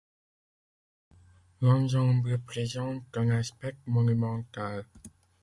L’ensemble présente un aspect monumental.